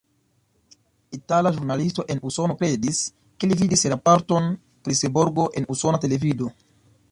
Itala ĵurnalisto en Usono kredis, ke li vidis raporton pri Seborgo en usona televido.